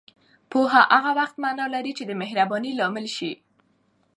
پوهه هغه وخت معنا لري چې دمهربانۍ لامل شي